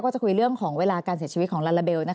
จะคุยเรื่องของเวลาการเสียชีวิตของลาลาเบล